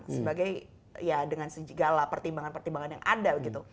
sebagai ya dengan segala pertimbangan pertimbangan yang ada gitu